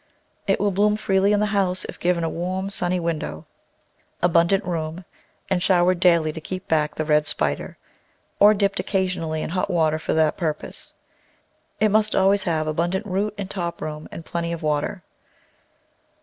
It will bloom freely in the house if given a warm, sunny window, abundant room, and showered daily to keep back the red spider, or dipped occasionally in hot water for that purpose. It must always have abun dant root and top room and plenty of water.